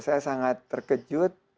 saya sangat terkejut